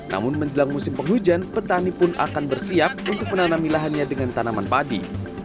namun menjelang musim penghujan petani pun akan bersiap untuk menanami lahannya dengan tanaman padi